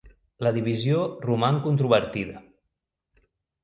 La divisió roman controvertida.